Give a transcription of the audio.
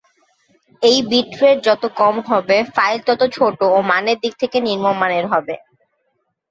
এই bit rate যত কম হবে ফাইল তত ছোটো ও মানের দিক থেকে নিম্নমানের হবে।